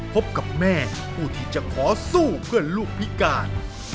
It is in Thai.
พบกับแม่ผู้ที่จะขอสู้เพื่อลูกพิการ